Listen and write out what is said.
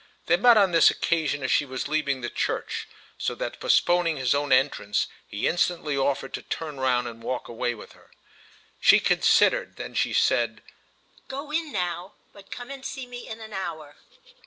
They met on this occasion as she was leaving the church, so that postponing his own entrance he instantly offered to turn round and walk away with her. She considered, then she said: "Go in now, but come and see me in an hour."